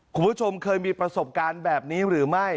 คุณผู้ชมเคยมีประสบการณ์แบบนี้หรือไม่